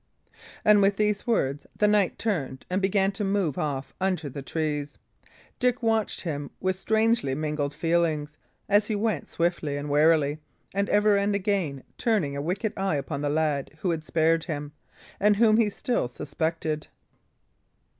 And with these words, the knight turned and began to move off under the trees. Dick watched him with strangely mingled feelings, as he went, swiftly and warily, and ever and again turning a wicked eye upon the lad who had spared him, and whom he still suspected.